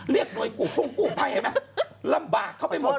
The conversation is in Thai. เรียกโดยกุฟงกุภัยเห็นไหมลำบากเข้าไปหมด